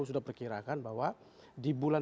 sudah perkirakan bahwa di bulan